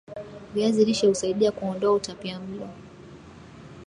viazi lishe husaidia kuondoa utapiamlo